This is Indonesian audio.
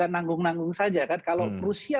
tanggung tanggung saja kan kalau rusia